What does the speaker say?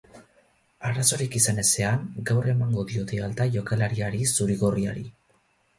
Arazorik izan ezean, gaur emango diote alta jokalariari zuri-gorriari.